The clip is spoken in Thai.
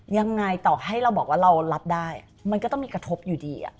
ยังไงต่อให้เราบอกว่าเรารับได้มันก็ต้องมีกระทบอยู่ดี